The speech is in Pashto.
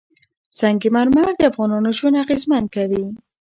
سنگ مرمر د افغانانو ژوند اغېزمن کوي.